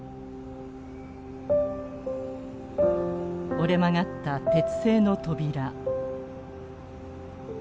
折れ曲がった鉄製の扉。